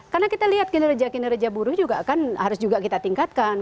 karena kita lihat kinerja kinerja buruh juga kan harus juga kita tingkatkan